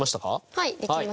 はいできました。